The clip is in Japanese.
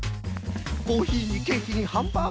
コーヒーにケーキにハンバーガー